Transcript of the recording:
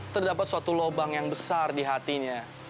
terdapat suatu lubang yang besar di hatinya